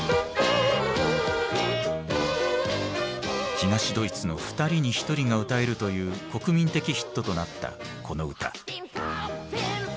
東ドイツの２人に１人が歌えるという国民的ヒットとなったこの歌。